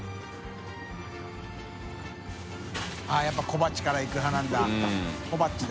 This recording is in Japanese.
笋辰僂小鉢からいく派なんだ。